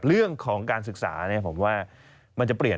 เรื่องของการศึกษาผมว่ามันจะเปลี่ยน